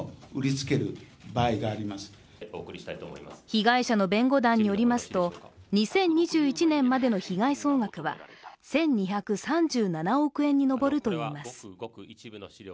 被害者の弁護団によりますと２０２１年までの被害総額は１２３７億円に上るといいます。